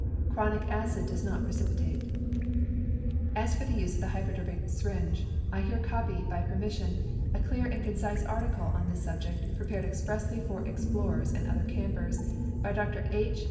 Chronic acid does not precipitate. As for the use of the hypodermic syringe, I here copy, by permission, a clear and concise article on this subject prepared expressly for explorers and other campers by Dr. H.